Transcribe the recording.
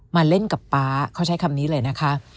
มาเล่นกับป๊าเขาใช้คำนี้เลยนะคะ